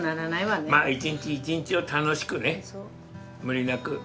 そうまぁ１日１日を楽しくね無理なく。